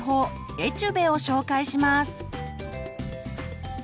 エチュベを紹介します！